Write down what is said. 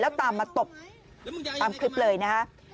แล้วตามมาตบตามคลิปเลยนะฮะ